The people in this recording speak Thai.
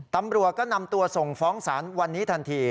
ตำรวจก็นำตัวส่งฟ้องศาลวันนี้ทันที